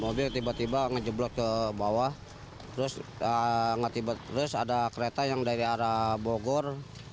mobil tiba tiba ngejeblok ke bawah terus ada kereta yang dari arah bogor